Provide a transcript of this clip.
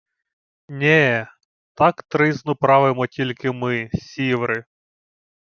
— Нє, так тризну правимо тільки ми, сіври!